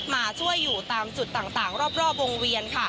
มาช่วยอยู่ตามจุดต่างรอบวงเวียน